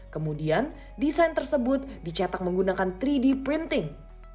kemudian desain tersebut dicetak menggunakan tiga d printing